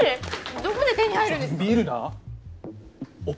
どこで手に入るんですか？